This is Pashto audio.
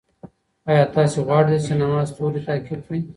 آیا تاسې غواړئ د سینما ستوری تعقیب کړئ؟